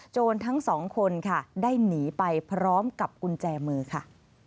ทั้งสองคนค่ะได้หนีไปพร้อมกับกุญแจมือค่ะ